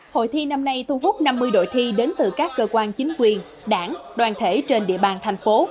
hội thi năm nay thu hút năm mươi đội thi đến từ các cơ quan chính quyền đảng đoàn thể trên địa bàn thành phố